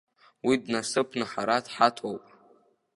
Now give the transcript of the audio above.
Уи днасыԥны ҳара дҳаҭоуп.